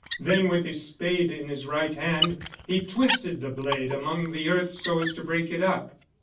Then with his spade in his right hand he twisted the blade among the earth so as to break it up.